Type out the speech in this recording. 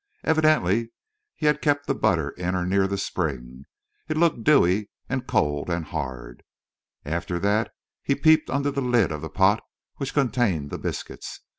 Evidently he had kept the butter in or near the spring. It looked dewy and cold and hard. After that he peeped under the lid of the pot which contained the biscuits.